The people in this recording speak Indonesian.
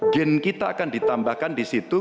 gen kita akan ditambahkan di situ